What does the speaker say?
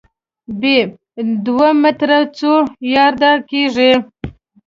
ب: دوه متره څو یارډه کېږي؟